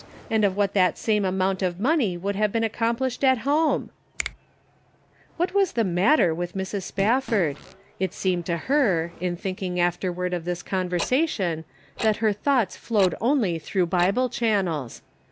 and of what the same amount of money would have ac complished at home !" What was the matter with Mrs. Spafford? It seemed to her, in thinking afterward of this conversation, that her thoughts flowed only through Bible channels.